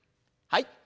はい。